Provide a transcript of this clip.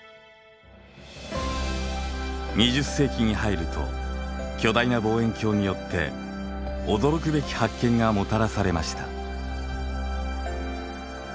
２０世紀に入ると巨大な望遠鏡によって驚くべき発見がもたらされました。